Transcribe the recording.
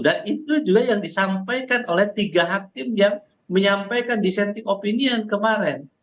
dan itu juga yang disampaikan oleh tiga hak tim yang menyampaikan dissenting opinion kemarin